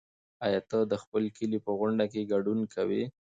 ایا ته د خپل کلي په غونډه کې ګډون کوې؟